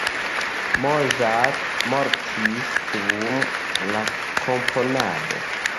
Mozart mortis dum la komponado.